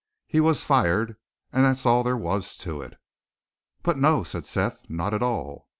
He was fired, and that's all there was to it. But no, said Seth; not at all.